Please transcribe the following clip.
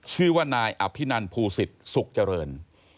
ชื่อว่านายอภินันภูศิษฐ์สุขเจริญ